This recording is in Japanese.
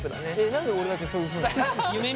何で俺だけそういうふうに言うの？